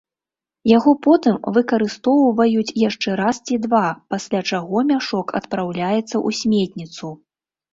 Яго потым выкарыстоўваюць яшчэ раз ці два, пасля чаго мяшок адпраўляецца ў сметніцу.